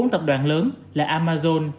bốn tập đoàn lớn là amazon